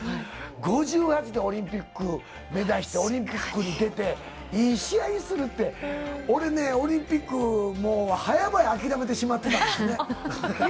５８でオリンピック目指して、オリンピックに出て、いい試合するって、俺ね、オリンピック、目指してらっしゃったんです